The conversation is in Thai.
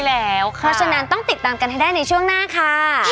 เพราะฉะนั้นต้องติดตามกันให้ได้ในช่วงหน้าค่ะ